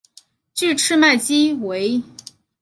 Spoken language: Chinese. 距翅麦鸡为鸻科麦鸡属的鸟类。